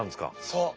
そう。